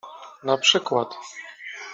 Na przykład.